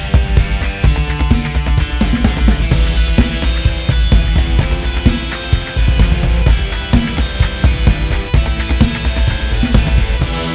perhatian kalian paling baik